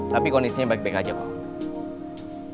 tapi kondisinya baik baik aja kok